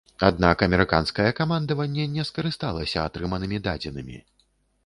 Аднак амерыканскае камандаванне не скарысталася атрыманымі дадзенымі.